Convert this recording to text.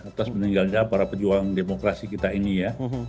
atas meninggalnya para pejuang demokrasi kita ini ya